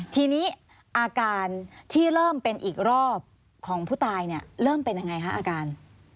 ทีนี้อาการที่เริ่มเป็นอีกรอบของผู้ตายเนี่ยเริ่มเป็นยังไงคะอาการ